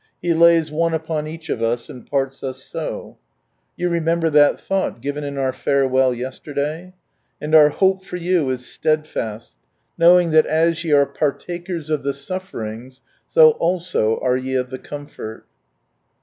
He lays one upon each of us, and parts us sa" You remember that thought, given in our Farewell yesterday ?..," And our hope for you is stedfast, knowing that as ye are partakers of the sufferings, w also are ye of the Comfort